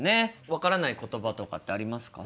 分からない言葉とかってありますか？